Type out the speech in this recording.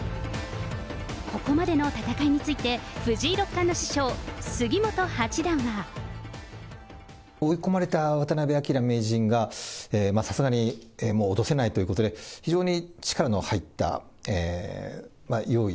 ここまでの戦いについて、藤井六追い込まれた渡辺明名人が、さすがにもう落とせないということで、非常に力の入った用意